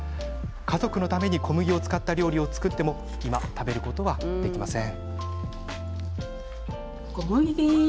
家族のために小麦を使った料理を作っても食べることはできません。